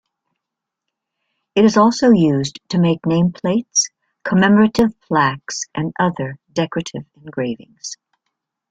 It is also used to make nameplates, commemorative plaques and other decorative engravings.